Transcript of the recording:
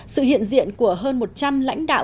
sự hiện diện của hơn một trăm linh lãnh đạo